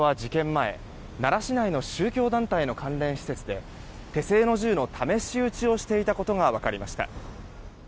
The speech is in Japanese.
前奈良市内の宗教団体の関連施設で手製の銃の試し撃ちをしていたことが分かりました。